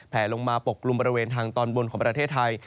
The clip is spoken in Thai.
ลงมาปกกลุ่มบริเวณทางตอนบนของประเทศไทย